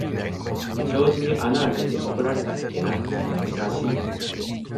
障子に穴あけて怒られたっけな、なつかしい。